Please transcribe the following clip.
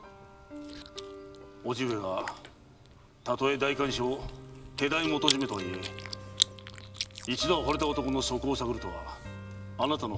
叔父上がたとえ代官所手代元締とはいえ一度は惚れた男の素行を探るとはあなたの本意ではあるまい。